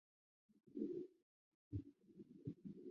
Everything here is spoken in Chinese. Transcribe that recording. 金周路站是一个岛式站台车站。